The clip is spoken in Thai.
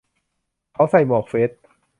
เขาใส่หมวกเฟซ